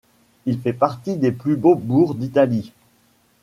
Il fait partie des Plus beaux bourgs d'Italie.